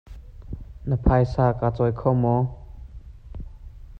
Na phaisa kaa cawi kho maw?